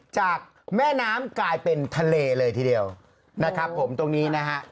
จากแม่น้ำกลายเป็นทะเลเลยทีเดียวนะครับผมตรงนี้นะฮะ